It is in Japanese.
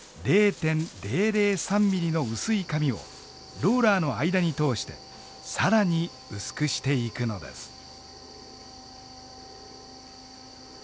０．００３ミリの薄い紙をローラーの間に通して更に薄くしていくのです。